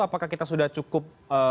apakah kita sudah cukup